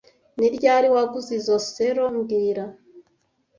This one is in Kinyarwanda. Ni ryari waguze izoi selo mbwira